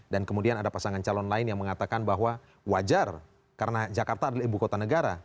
dan kemudian ada pasangan calon lain yang mengatakan bahwa wajar karena jakarta adalah ibu kota negara